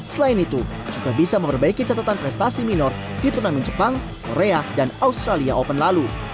selain itu juga bisa memperbaiki catatan prestasi minor di turnamen jepang korea dan australia open lalu